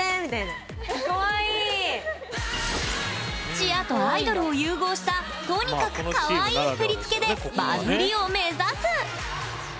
チアとアイドルを融合したとにかくカワイイ振り付けでバズりを目指す！